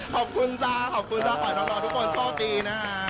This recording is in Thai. ขอบคุณจ้าขออนุญาตทุกคนโชคดีนะฮะ